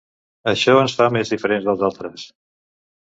Això ens fa més diferents dels altres.